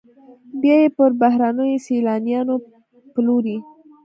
بیا یې پر بهرنیو سیلانیانو پلوري